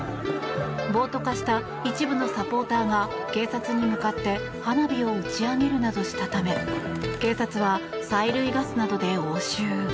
暴徒化した一部のサポーターが警察に向かって花火を打ち上げるなどしたため警察は催涙ガスなどで応酬。